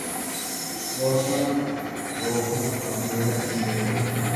Rosa Roja abrió y vio al oso.